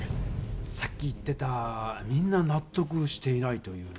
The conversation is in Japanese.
さっき言ってた「みんななっとくしていない」というのは？